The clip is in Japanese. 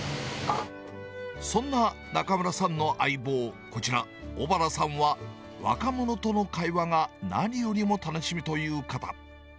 そんな中村さんの相棒、こちら、小原さんは、若者との会話が何よりも楽しみという方。